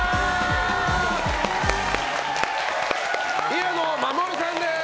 宮野真守さんです！